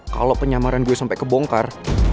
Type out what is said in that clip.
kalau penyamaran gue sampai kebongkar